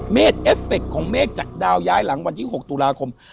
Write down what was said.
เอฟเฟคของเมฆจากดาวย้ายหลังวันที่๖ตุลาคม